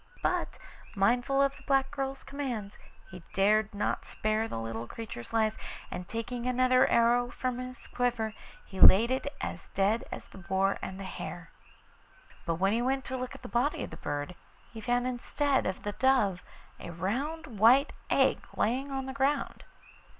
But mindful of the black girl's commands, he dared not spare the little creature's life, and taking another arrow from his quiver he laid it as dead as the boar and the hare. But when he went to look at the body of the bird he found instead of the dove a round white egg lying on the ground.